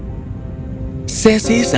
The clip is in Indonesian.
sesi sangat ingin memberitahumu